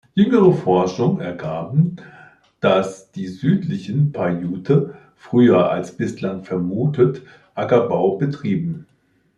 Jüngere Forschungen ergaben, dass die Südlichen Paiute früher als bislang vermutet Ackerbau betrieben.